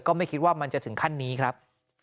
ไม่คิดว่ามันจะถึงขั้นนี้ครับ